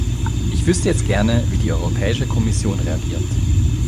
Ich wüßte jetzt gerne, wie die Europäische Kommission reagiert.